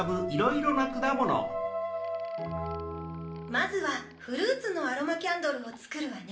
まずはフルーツのアロマキャンドルをつくるわね。